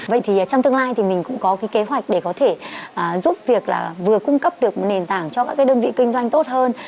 vậy thì trong tương lai thì mình cũng có cái kế hoạch để có thể giúp việc là vừa cung cấp được nền tảng cho các cái đơn vị kinh doanh tốt hơn